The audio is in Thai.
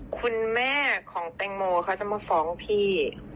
คุณแม่ของแตงโมเขาจะมาฟ้องพี่